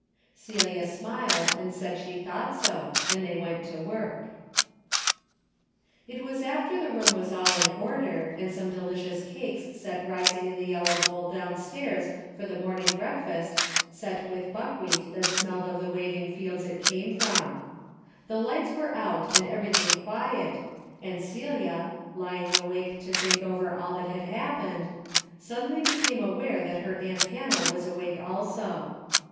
Celia smiled and said she thought so, and they went to work. A DAILY BATE.'' 1G3 It was after the room was all in order, and some delicious cakes set rising in the yellow bowl downstairs for the morning breakfast, set with buckwheat that smelled of the wav ing fields it came from. The lights were out and everything quiet and Celia, lying awake to think over all that had happened, suddenly became aware that her aunt Hannah was awake also.